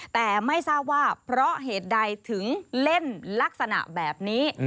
แต่ไม่ทราบว่าเพราะเหตุใดถึงเล่นลักษณะแบบนี้